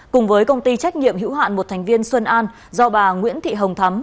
cùng với công ty trách nhiệm hữu hạn một thành viên xuân an do bà nguyễn thị hồng thắm